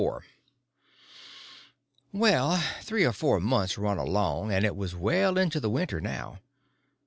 Well, three or four months run along, and it was well into the winter now.